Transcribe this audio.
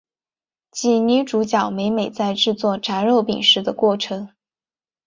及女主角美美在制作炸肉饼时的过程。